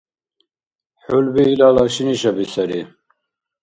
ХӀулби илала шинишаби сари.